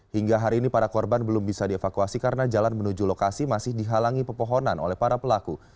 hingga hari ini para korban belum bisa dievakuasi karena jalan menuju lokasi masih dihalangi pepohonan oleh para pelaku